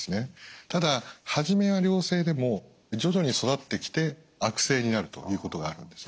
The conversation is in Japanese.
ただ初めは良性でも徐々に育ってきて悪性になるということがあるんですね。